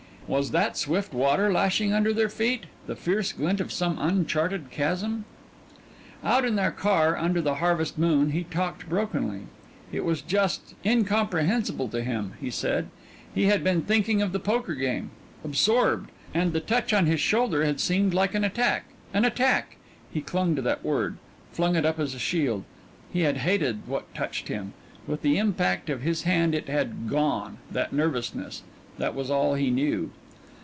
Was that swift water lashing under their feet the fierce glint of some uncharted chasm? Out in their car under the harvest moon he talked brokenly. It was just incomprehensible to him, he said. He had been thinking of the poker game absorbed and the touch on his shoulder had seemed like an attack. An attack! He clung to that word, flung it up as a shield. He had hated what touched him. With the impact of his hand it had gone, that nervousness. That was all he knew.